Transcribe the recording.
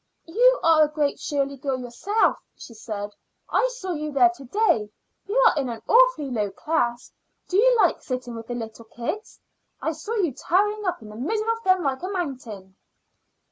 "You are a Great Shirley girl yourself," she said. "I saw you there to day. You are in an awfully low class. Do you like sitting with the little kids? I saw you towering up in the middle of them like a mountain."